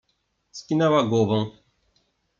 Skinęła głową.